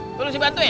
lu harus dibantuin